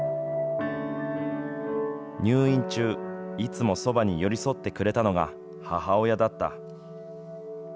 入院中、いつもそばに寄り添ってくれたのが母親だった。